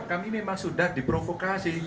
kami memang sudah diprovokasi